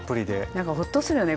何かホッとするよね